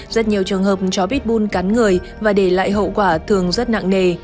rất nhiều trường hợp chó pitbull cắn người và để lại hậu quả thường rất nặng nề